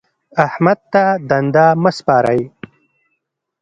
احمد ته دنده مه سپارئ.